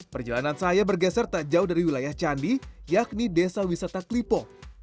perjalanan saya bergeser tak jauh dari wilayah candi yakni desa wisata klipo